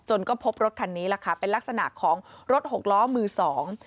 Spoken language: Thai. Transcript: ก็พบรถคันนี้แหละค่ะเป็นลักษณะของรถหกล้อมือสอง